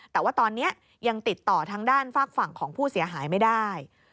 แต่ว่าตอนนี้ยังติดต่อทางด้านฝากฝั่งของผู้เสียหายไม่ได้